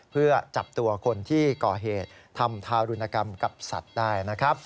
เพื่อจับตัวคนที่ก่อเหตุทำทารุณกรรมกับสัตว์ได้นะครับ